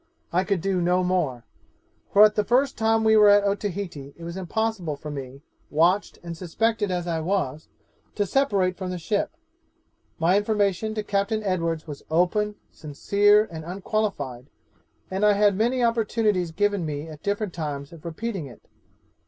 I could do no more; for at the first time we were at Otaheite it was impossible for me, watched and suspected as I was, to separate from the ship. My information to Captain Edwards was open, sincere, and unqualified, and I had many opportunities given me at different times of repeating it.